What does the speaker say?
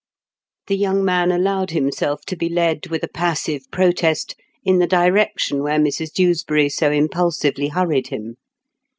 The young man allowed himself to be led with a passive protest in the direction where Mrs Dewsbury so impulsively hurried him.